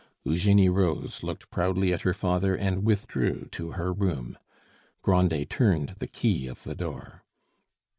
Eugenie rose, looked proudly at her father, and withdrew to her room. Grandet turned the key of the door.